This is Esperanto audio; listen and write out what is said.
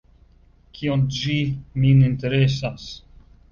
Kion ĝi min interesas?